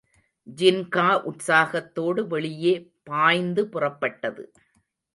ஜின்கா உற்சாகத்தோடு வெளியே பாய்ந்து புறப்பட்டது.